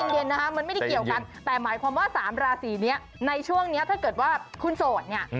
เย็นนะคะมันไม่ได้เกี่ยวกันแต่หมายความว่า๓ราศีนี้ในช่วงนี้ถ้าเกิดว่าคุณโสดเนี่ย